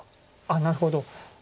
なるほど。